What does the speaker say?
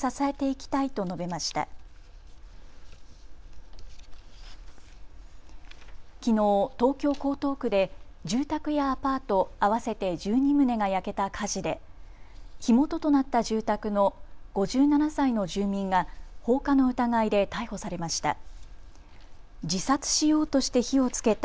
きのう東京江東区で住宅やアパート合わせて１２棟が焼けた火事で火元となった住宅の５７歳の住民が放火の疑いで逮捕されました。